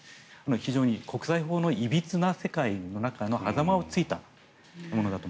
非常に国際法のいびつな世界の中の狭間を突いたものだと。